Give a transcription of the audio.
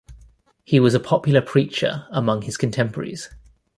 He was a popular preacher among his contemporaries.